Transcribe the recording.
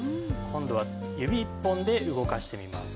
今度は指１本で動かしてみます。